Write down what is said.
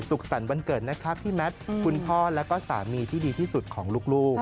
สรรค์วันเกิดนะครับพี่แมทคุณพ่อแล้วก็สามีที่ดีที่สุดของลูก